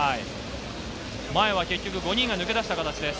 前は５人が抜け出した形です。